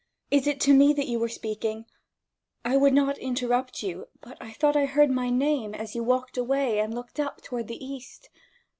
is it to me that you were speaking 1 I would not interrupt you ; but I thought I heard my name as you walked away and looked up toward the East.